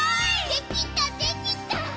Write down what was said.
「できたできた」